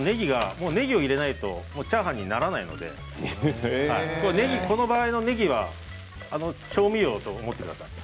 もうねぎを入れないとチャーハンにならないのでこの場合のねぎは調味料と思ってください。